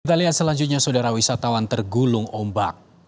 kita lihat selanjutnya saudara wisatawan tergulung ombak